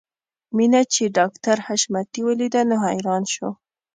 مينه چې ډاکټر حشمتي وليده نو حیران شو